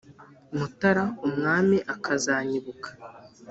Mutara umwami akazanyibuka